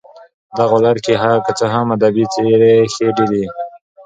په دغه ولايت كې كه څه هم ادبي څېرې ښې ډېرې